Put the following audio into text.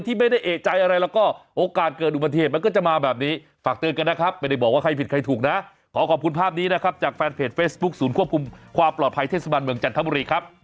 ที่ไม่ได้เอกใจอะไรแล้วก็โอกาสเกิดอุบัติเหตุมันก็จะมาแบบนี้ฝากเตือนกันนะครับไม่ได้บอกว่าใครผิดใครถูกนะขอขอบคุณภาพนี้นะครับจากแฟนเพจเฟซบุ๊คศูนย์ควบคุมความปลอดภัยเทศบาลเมืองจันทบุรีครับ